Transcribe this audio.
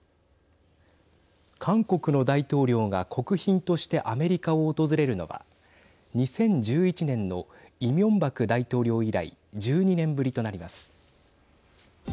韓国の大統領が国賓としてアメリカを訪れるのは２０１１年のイ・ミョンバク大統領以来１２年ぶりとなります。